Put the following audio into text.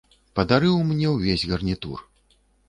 Падарыў мне ўвесь гарнітур.